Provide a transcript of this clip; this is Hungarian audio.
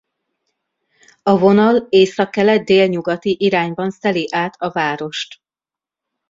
A vonal északkelet-délnyugati irányban szeli át a várost.